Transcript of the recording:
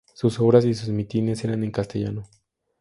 Sus obras y sus mítines eran en castellano.